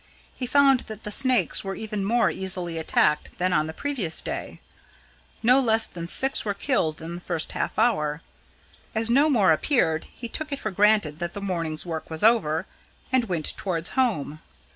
He found that the snakes were even more easily attacked than on the previous day; no less than six were killed in the first half hour. As no more appeared, he took it for granted that the morning's work was over, and went towards home.